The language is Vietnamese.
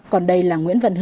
còn đây là nguyễn vận hình